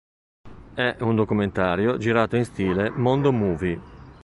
È un documentario girato in stile "Mondo movie".